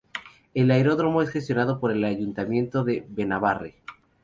El aeródromo es gestionado por el Ayuntamiento de Benabarre.